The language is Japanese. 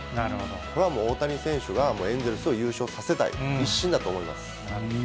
これはもう、大谷選手がエンゼルスを優勝させたい一心だと思います。